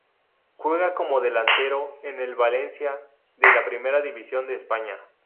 Juega como delantero en el Valencia de la Primera División de España.